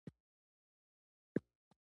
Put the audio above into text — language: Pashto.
جنګ عادلانه دی کنه.